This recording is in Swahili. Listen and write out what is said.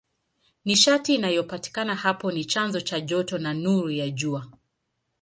Nishati inayopatikana hapo ni chanzo cha joto na nuru ya Jua.